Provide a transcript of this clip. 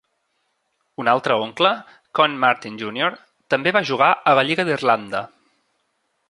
Un altre oncle, Con Martin Junior, també va jugar a la Lliga d'Irlanda.